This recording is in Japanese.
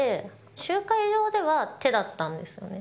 集会所では手だったんですよね。